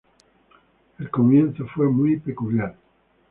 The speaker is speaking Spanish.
El comienzo fue muy peculiar.